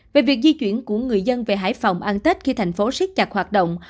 về việc di chuyển của người dân về hải phòng ăn tết khi thành phố siết chặt hoạt động